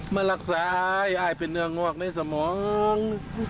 มารักษาอายอายเป็นเนื้องอกในสมอง